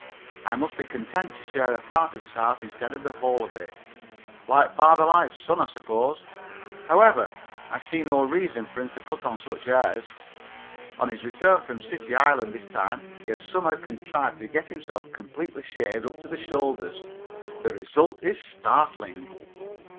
I must be content to share a part of his heart instead of the whole of it. Like father like son, I suppose. However, I see no reason for him to put on such airs. On his return from City Island this time he had somehow contrived to get himself completely shaved up to the shoulders. The result is startling.